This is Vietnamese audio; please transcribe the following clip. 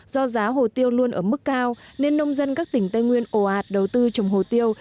do giá hồ tiêu luôn ở mức cao nên nông dân các tỉnh tây nguyên ồ ạt đầu tư trồng hồ tiêu